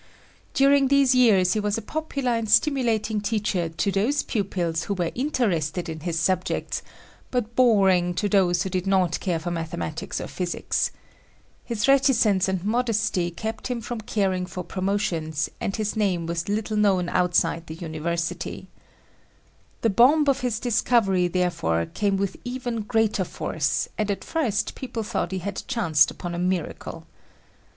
During these years he was a popular and stimulating teacher to those pupils who were interested in his subjects but boring to those who did not care for mathematics or physics. His reticence and modesty kept I him from caring for promotions and his name was little known outside! \ ROENTGEN'S RAY Dr. Otto Glasser Wilhelm Konrad Roentgen the university. The bomb of his discovery therefore came with even greater force and at first people thought he had chanced upon a miracle.